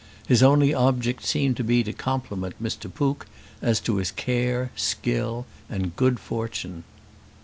His only object seemed to be to compliment Mr. Pook as to his care, skill, and good fortune.